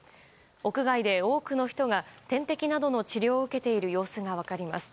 屋外で多くの人が点滴などの治療を受けている様子が分かります。